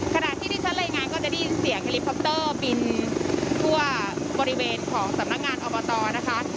ขณะที่ที่ฉันเลยงานก็จะได้ยินเสียงบินทั่วบริเวณของสำนักงานอบตนะคะ